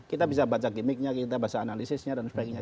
kita bisa baca gimmicknya kita baca analisisnya dan sebagainya